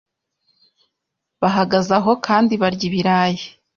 Bahagaze aho kandi barya ibirayi.